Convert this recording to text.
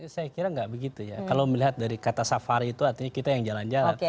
saya kira nggak begitu ya kalau melihat dari kata safari itu artinya kita yang jalan jalan